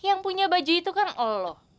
yang punya baju itu kan allah